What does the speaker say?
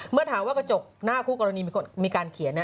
เมื่อถามว่ากระจกหน้าคู่กรณีมีการเขียน